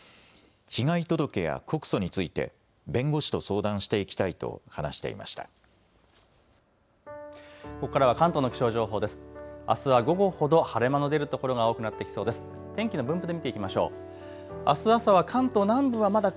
被害届や告訴について弁護士と相談していきたいと話していました。